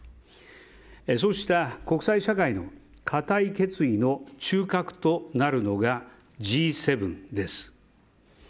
そうした国際社会の固い決意の中核となるのがＧ７です。